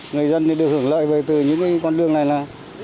người dân thì được hưởng lợi về từ những con đường này là